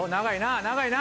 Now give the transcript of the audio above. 長いな！